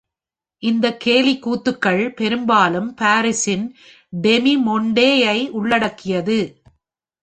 இந்த கேலிக்கூத்துகள் பெரும்பாலும் பாரிஸின் "டெமி-மோண்டே" ஐ உள்ளடக்கியது.